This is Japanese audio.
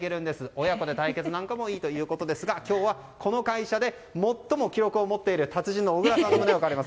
親子で対決なんかもいいということですが今日はこの会社で最も記録を持っている達人の小倉さんの腕を借ります。